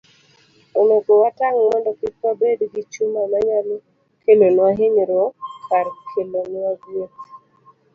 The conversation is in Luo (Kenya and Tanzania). Onego watang' mondo kik wabed gi chuma manyalo kelonwa hinyruok kar kelonwa gweth.